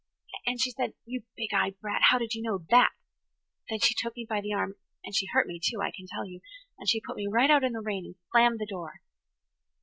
And she said, 'You big eyed brat, how did you know that? ' Then she took me by the arm–and she hurt me, too, I can tell you–and she put me right out in the rain and slammed the door."